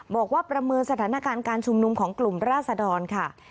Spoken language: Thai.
บอกว่าประเมินสถานการณ์การชุมนุมของกลุ่มราศดรค่ะ